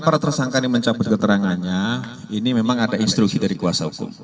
jadi tersangka ini mencabut keterangannya ini memang ada instruksi dari kuasa hukum